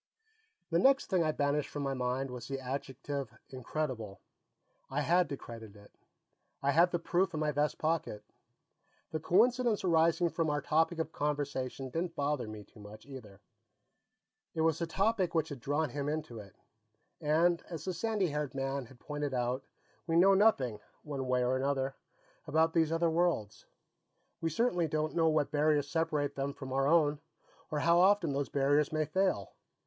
The next thing I banished from my mind was the adjective "incredible." I had to credit it; I had the proof in my vest pocket. The coincidence arising from our topic of conversation didn't bother me too much, either. It was the topic which had drawn him into it. And, as the sandy haired man had pointed out, we know nothing, one way or another, about these other worlds; we certainly don't know what barriers separate them from our own, or how often those barriers may fail.